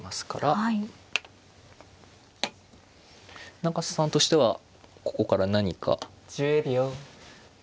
永瀬さんとしてはここから何か。